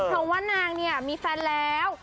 คือนางเนี่ยมีแฟนแล้ว